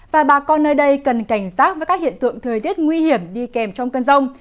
và bà con nơi đây cần cảnh giác với các hiện tượng thời tiết nguy hiểm đi kèm trong cơn rông